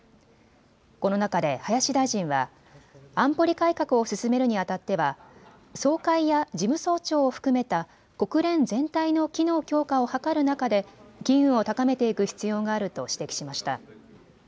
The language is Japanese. この中で林大臣は安保理改革を進めるにあたっては総会や事務総長を含めた国連全体の機能強化を図る中で機運を高めていく必要があると指摘しました。